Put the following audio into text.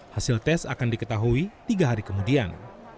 hasil tes akan diketahui tiga hari kemudian